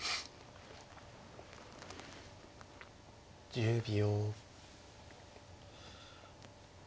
１０秒。